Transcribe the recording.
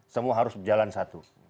semua harus berjalan satu